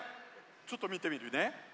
ちょっとみてみるね。